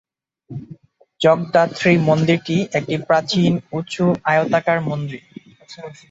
জগদ্ধাত্রী মন্দিরটি একটি প্রাচীন উঁচু আয়তাকার মন্দির।